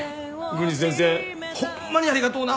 郡司先生ほんまにありがとうな。